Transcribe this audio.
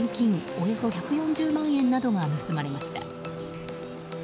およそ１４０万円などが盗まれました。